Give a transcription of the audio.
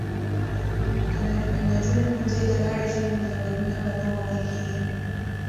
که نجونې ښوونځي ته لاړې شي نو ځنګلونه به نه وهل کیږي.